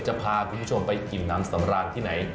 จะพาคุณผู้ชมไปอิ่มน้ำสำราญที่ไหน